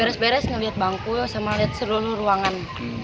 beres beres ngeliat bangku sama lihat seluruh ruangan